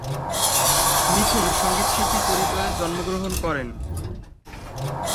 মিথুন সঙ্গীতশিল্পী পরিবারে জন্মগ্রহণ করেন।